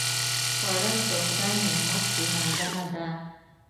خوړل د خدای نعمت پېژندنه ده